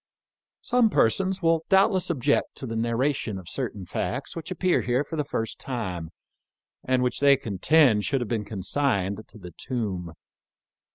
" Some persons will doubtless object to the narra tion of certain facts which appear here for the first time, and which they contend should have been consigned to the tomb.